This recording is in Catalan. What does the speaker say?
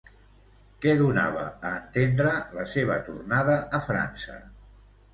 Què donava a entendre la seva tornada a França?